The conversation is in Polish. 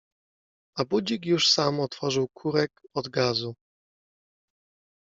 A budzik już sam otworzył kurek od gazu.